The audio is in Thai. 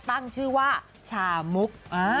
ตั้งชื่อว่าชามุก